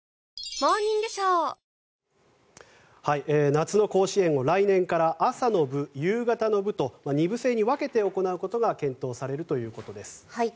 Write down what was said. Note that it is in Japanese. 夏の甲子園を来年から朝の部、夕方の部と２部制に分けて行うことが検討されるということです。